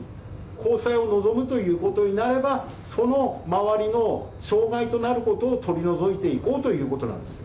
交際を望むということになれば、その周りの障害となることを取り除いていこうということなんですよ。